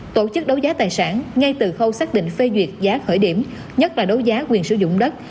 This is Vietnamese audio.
tổ chức đấu giá tài sản ngay từ khâu xác định phê duyệt giá khởi điểm nhất là đấu giá quyền sử dụng đất